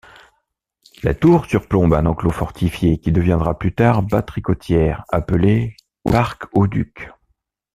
La tour surplombe un enclos fortifié, qui deviendra plus tard batterie côtière, appelé Parc-au-duc.